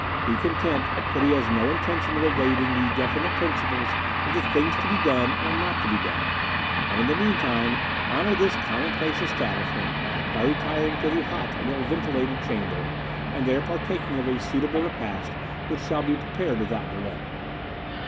Be content that he has no intention of evading the definite principles of the things to be done and not to be done, and in the meantime honour this commonplace establishment by retiring to the hot and ill ventilated chamber, and there partaking of a suitable repast which shall be prepared without delay."